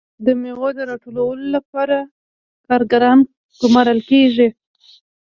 د میوو د راټولولو لپاره کارګران ګمارل کیږي.